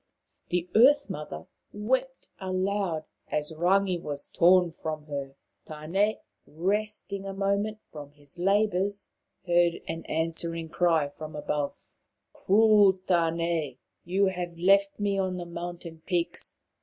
The Earth mother wept aloud as Rangi was torn from her. Tane, resting a moment from his labours, heard an answering cry from above. " Cruel Tane ! You have left me on the mountain peaks.